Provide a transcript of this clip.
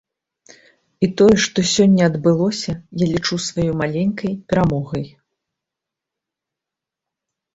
І тое, што сёння адбылося, я лічу сваёй маленькай перамогай.